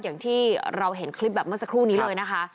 อย่างที่เราเห็นคลิปแบบเมื่อสักครู่นี้เลยนะคะ